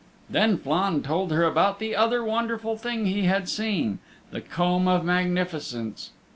Then Flann told her about the other wonderful thing he had seen the Comb of Magnificence.